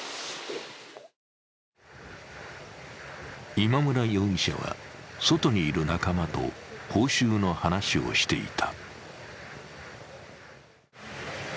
今村容疑者は外にいる仲間と報酬の話をしていた。